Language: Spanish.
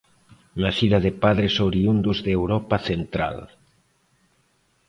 Nacida de padres oriundos de Europa central.